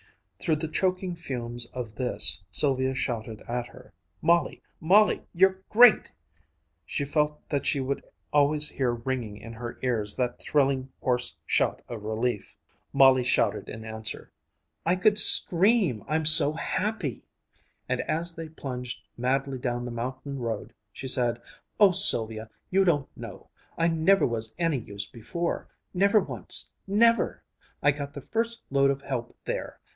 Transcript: Through the choking fumes of this, Sylvia shouted at her, "Molly! Molly! You're great!" She felt that she would always hear ringing in her ears that thrilling, hoarse shout of relief. Molly shouted in answer, "I could scream, I'm so happy!" And as they plunged madly down the mountain road, she said: "Oh, Sylvia, you don't know I never was any use before never once never! I got the first load of help there!